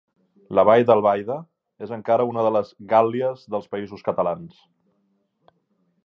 La Vall d'Albaida és encara una de les "Gàl·lies" dels Països Catalans.